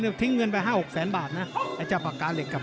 นึงทิ้งเงินไป๕๖ซันบาทนะไอ้เจ้าปากกาเหล็กกับ